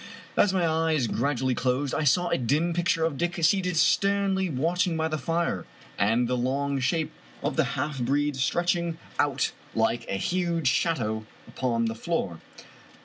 As my eyes gradually closed, I saw a dim picture of Dick seated sternly watching by the fire, and the long shape of the half breed stretching out like a huge shadow upon the floor.